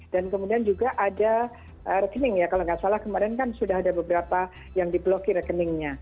dan kemudian juga ada rekening ya kalau tidak salah kemarin kan sudah ada beberapa yang di blocking rekeningnya